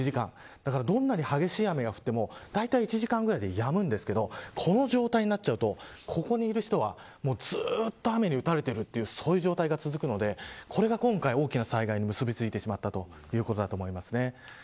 だから、どんなに激しい雨が降っても１時間ぐらいでやむんですがこの状態になっちゃうとここにいる人はずっと雨に打たれている状態が続くのでこれが今回、大きな災害に結びついてしまったということだと思います。